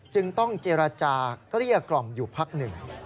จึงต้องเจรจาเกลี้ยกล่อมอยู่พักหนึ่ง